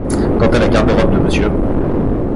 Quant à la garde-robe de monsieur